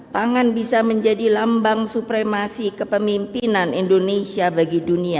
pangan bisa menjadi lambang supremasi kepemimpinan indonesia bagi dunia